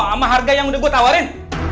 sama harga yang udah gue tawarin